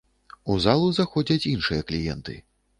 У залу заходзяць іншыя кліенты.